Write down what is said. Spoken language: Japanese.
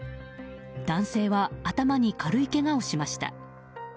男性は頭に軽いけがをしました。